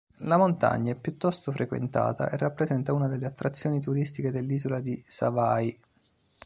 La montagna è piuttosto frequentata e rappresenta una delle attrazioni turistiche dell'isola di Savai'i.